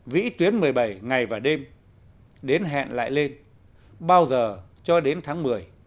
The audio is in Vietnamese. vĩ tuyến một mươi bảy ngày và đêm đến hẹn lại lên bao giờ cho đến tháng một mươi